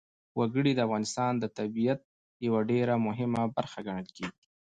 وګړي د افغانستان د طبیعت یوه ډېره مهمه برخه ګڼل کېږي.